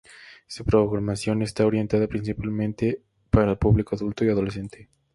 Su programación está orientada principalmente para el público adulto y adolescente.